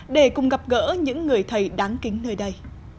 để cùng gặp gỡ những người thầy đáng kính nơi đây